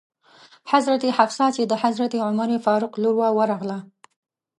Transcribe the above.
حضرت حفصه چې د حضرت عمر فاروق لور وه ورغله.